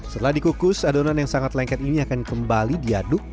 setelah dikukus adonan yang sangat lengket ini akan kembali diaduk